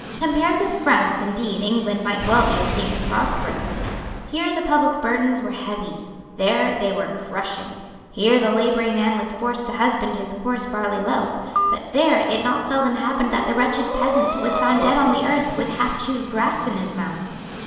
Compared with France indeed England might well be esteemed prosperous. Here the public burdens were heavy; there they were crushing. Here the labouring man was forced to husband his coarse barley loaf; but there it not seldom happened that the wretched peasant was found dead on the earth with halfchewed grass in his mouth.